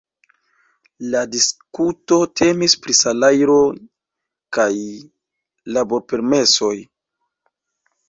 La diskuto temis pri salajroj kaj laborpermesoj.